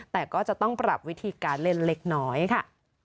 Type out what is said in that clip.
แต่ก็จะต้องปรับวิธีการเล่นเล็กน้อยค่ะ